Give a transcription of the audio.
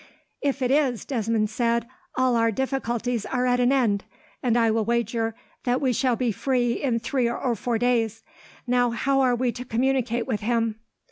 "If it is," Desmond said, "all our difficulties are at an end, and I will wager that we shall be free in three or four days. Now, how are we to communicate with him?"